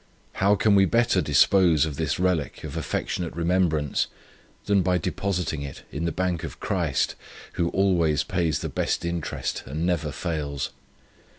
How can we better dispose of this relic of affectionate remembrance, than by depositing it in the bank of Christ, who always pays the best interest, and never fails.